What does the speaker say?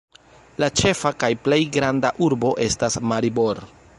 La ĉefa kaj plej granda urbo estas Maribor.